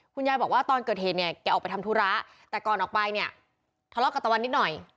คุณยายบอกว่าตอนเกิดเหตุเนี่ยแกออกไปทำธุระแต่ก่อนออกไปเนี่ยทะเลาะกับตะวันนิดหน่อย